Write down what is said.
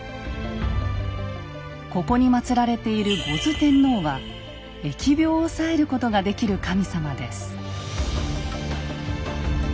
ここに祭られている牛頭天王は疫病を抑えることができる神様です。